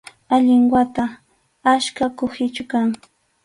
Allin wata ackha kuhichu kan